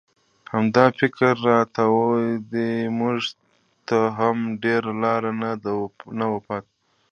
همدا فکر را تاوېده، موږ ته هم ډېره لاره نه وه پاتې.